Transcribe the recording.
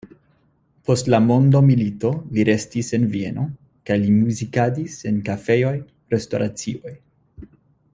Post la mondomilito li restis en Vieno kaj li muzikadis en kafejoj, restoracioj.